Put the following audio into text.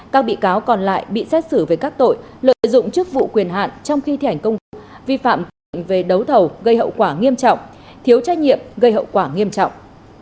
các bị cáo còn lại bị xét xử về các tội lợi dụng chức vụ quyền hạn trong khi thi hành công vụ vi phạm quy định về đấu thầu gây hậu quả nghiêm trọng thiếu trách nhiệm gây hậu quả nghiêm trọng